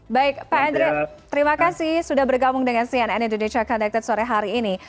baik pak andri terima kasih sudah bergabung dengan cnn indonesia connected sore hari ini